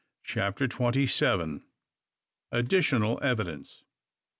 CHAPTER TWENTY SEVEN. ADDITIONAL EVIDENCE.